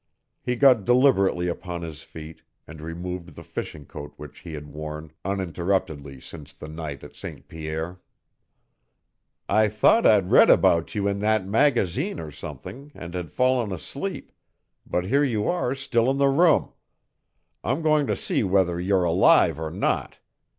He got deliberately upon his feet and removed the fishing coat which he had worn uninterruptedly since the night at St. Pierre. "I thought I'd read about you in that magazine or something, and had fallen asleep, but here you are still in the room. I'm going to see whether you're alive or not.